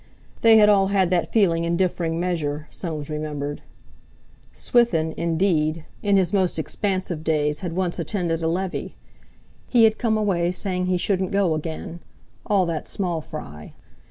They had all had that feeling in differing measure—Soames remembered. Swithin, indeed, in his most expansive days had once attended a Levee. He had come away saying he shouldn't go again—"all that small fry."